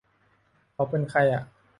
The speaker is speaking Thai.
เค้าเป็นใครอ่ะ